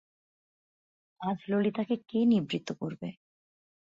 আজ ললিতাকে কে নিবৃত্ত করবে?